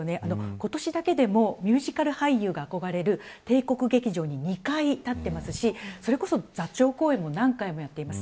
今年だけでもミュージカルて俳優があこがれる帝国劇場に２回立ってますしそれこそ座長公演も何回もやっています。